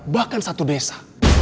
bahkan satu desa